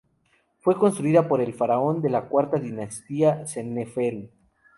Fue construida por el faraón de la cuarta dinastía Seneferu.